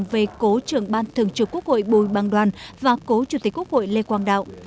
về cố trưởng ban thường trực quốc hội bùi băng đoàn và cố chủ tịch quốc hội lê quang đạo